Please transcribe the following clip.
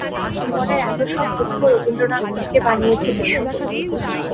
জীবনের এতো সব দুঃখ রবীন্দ্রনাথকে বানিয়েছে বিশ্বকবি!